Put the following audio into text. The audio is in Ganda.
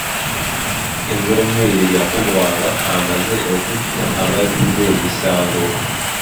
Engoma eyo yakubwanga amaze kutta abazzizza emisango.